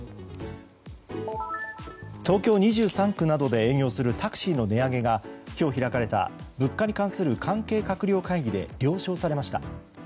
東京２３区などで営業するタクシーの値上げが今日、開かれた物価に関する関係閣僚会議で了承されました。